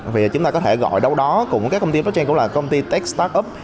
vì chúng ta có thể gọi đâu đó cũng có các công ty blockchain cũng là công ty tech startup